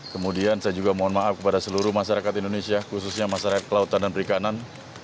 kemudian saya juga mohon maaf kepada seluruh masyarakat indonesia khususnya masyarakat kelautan dan perikanan